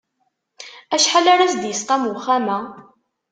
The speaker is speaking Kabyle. Acḥal ara s-d-isqam uxxam-a?